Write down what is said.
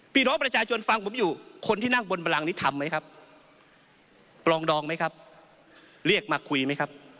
พี่น้องประชาชนฟังผมอยู่คนที่นั่งบนบรังนี้ทำไหมครับปลองดองไหมครับเรียกมาคุยไหมครับ